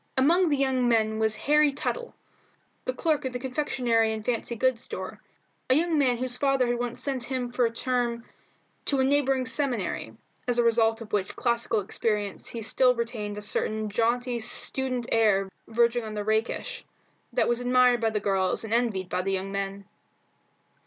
Among the young men was Harry Tuttle, the clerk in the confectionery and fancy goods store, a young man whose father had once sent him for a term to a neighbouring seminary, as a result of which classical experience he still retained a certain jaunty student air verging on the rakish, that was admired by the girls and envied by the young men.